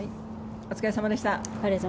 お疲れ様でした。